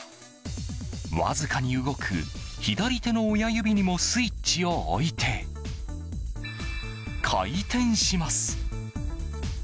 わずかに動く左手の親指にもスイッチを置いて回転します。